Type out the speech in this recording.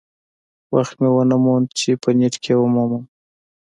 وخت مې ونه موند چې په نیټ کې یې ومومم.